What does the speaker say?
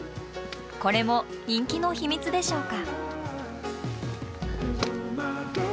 これも人気の秘密でしょうか。